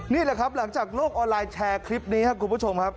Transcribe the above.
นี่แหละครับหลังจากโลกออนไลน์แชร์คลิปนี้ครับคุณผู้ชมครับ